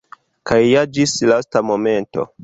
Kaj ja ĝis lasta momento!